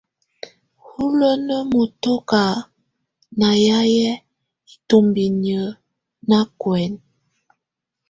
Hulənə mɔtɔka na yayɛ itumbinə na kwɛmɛ.